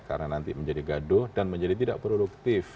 karena nanti menjadi gaduh dan menjadi tidak produktif